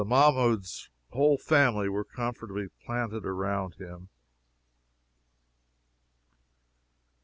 Mahmoud's whole family were comfortably planted around him.